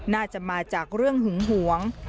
น่าจะมาจากเรื่องหึงหวง